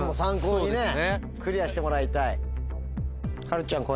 クリアしてもらいたい。